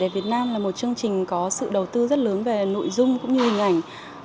việt nam là một chương trình có sự đầu tư rất lớn về nội dung cũng như hình ảnh